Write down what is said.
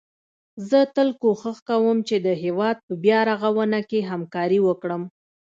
زه تل کوښښ کوم چي د هيواد په بيا رغونه کي همکاري وکړم